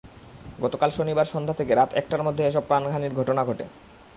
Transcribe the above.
গতকাল শনিবার সন্ধ্যা থেকে রাত একটার মধ্যে এসব প্রাণহানির ঘটনা ঘটে।